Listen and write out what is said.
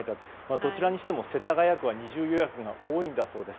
どちらにせよ世田谷区は二重予約が多いんだそうです。